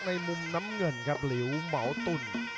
ในมุมน้ำเงินครับหลิวเหมาตุ่น